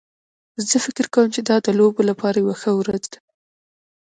زه فکر کوم چې دا د لوبو لپاره یوه ښه ورځ ده